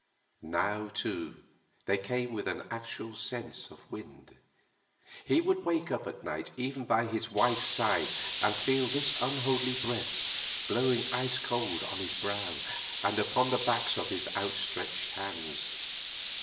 Now, too, they came with an actual sense of wind. He would wake up at night even by his wife's side and feel this unholy breath blowing ice cold on his brow and upon the backs of his outstretched hands.